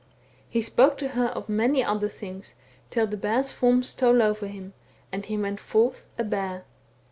He spoke to her of many other things, till the bear's form stole over him, and he went forth a bear.